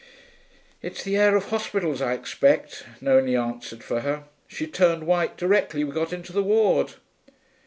'It's the air of hospitals, I expect,' Nonie answered for her. 'She turned white directly we got into the ward.'